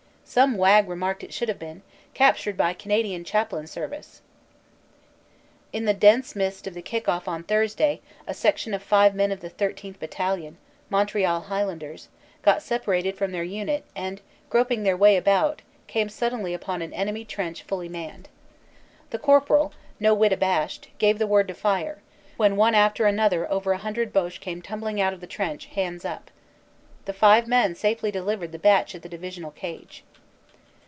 Some wag remarked it should have been, "Captured by Canadian Chaplain Service." In the dense mist of the kick off on Thursday, a section of five men of the 13th. Battalion, Montreal Highlanders, got separated from their unit and groping their way about came suddenly upon an enemy trench fully manned. The corporal, no whit abashed, gave the word to fire, when one after another over a hundred Boche came tumbling out of the trench, hands up. The five men safely delivered the batch at the divisional cage.